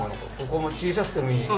ここは小さくてもいい？